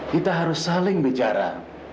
kita harus saling bicara